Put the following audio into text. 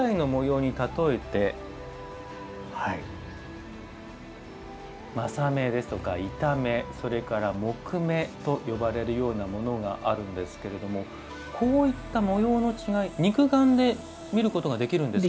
木材の模様に例えて柾目、板目それから杢目と呼ばれるようなものがあるんですがこういった模様の違い肉眼で見ることができるんですか。